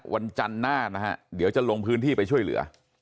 มันอยู่ได้กับบุญแหละ